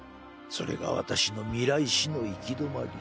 それが私の未来視の行き止まり」。